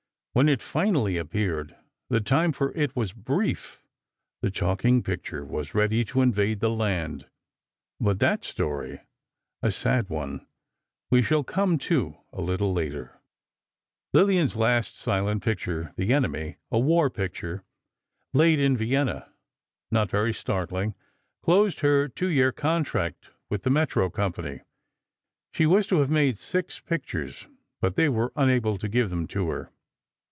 When it finally appeared, the time for it was brief—the talking picture was ready to invade the land—but that story—a sad one—we shall come to a little later. Lillian's last silent picture, "The Enemy," a war picture, laid in Vienna—not very startling—closed her two year contract with the Metro company. She was to have made six pictures, but they were unable to give them to her.